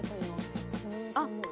あっ！